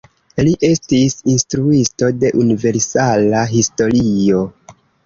Li estis instruisto de universala historio.